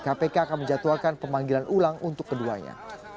kpk akan menjatuhkan pemanggilan ulang untuk keduanya